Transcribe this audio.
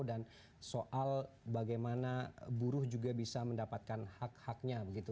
dan soal bagaimana buruh juga bisa mendapatkan hak haknya